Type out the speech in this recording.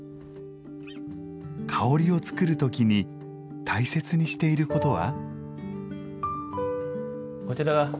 香りを作るときに大切にしていることは？